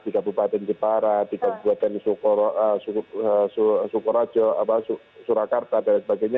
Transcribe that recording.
dikabupaten jepara dikabupaten sukorajo surakarta dan sebagainya